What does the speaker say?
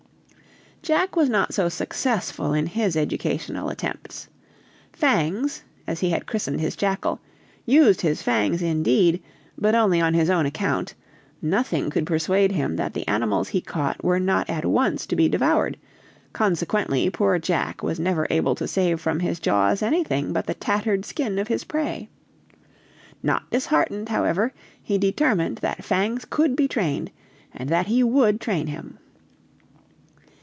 Jack was not so successful in his educational attempts. Fangs, as he had christened his jackal, used his fangs, indeed, but only on his own account; nothing could persuade him that the animals he caught were not at once to be devoured, consequently poor Jack was never able to save from his jaws anything but the tattered skin of his prey. Not disheartened, however, he determined that Fangs could be trained, and that he would train him.